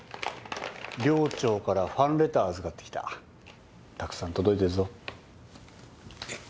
寮長からファンレター預かってきたたくさん届いてるぞえっ